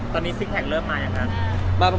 อ๋อน้องมีหลายคน